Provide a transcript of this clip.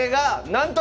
なんと！